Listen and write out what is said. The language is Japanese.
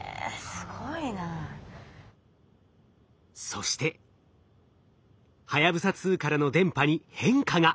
そしてはやぶさ２からの電波に変化が。